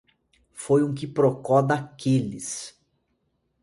Foi um quiproquó daqueles!